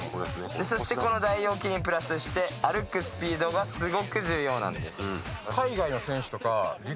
そしてこの大腰筋にプラスして歩くスピードがすごく重要なんです。